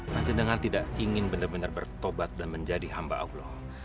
nah jenengan tidak ingin benar benar bertobat dan menjadi hamba allah